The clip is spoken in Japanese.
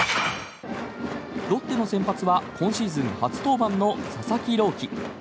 ロッテの先発は今シーズン初登板の佐々木朗希。